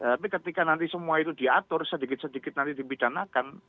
tapi ketika nanti semua itu diatur sedikit sedikit nanti dipidanakan